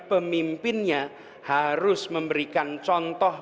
pemimpinnya harus memberikan contoh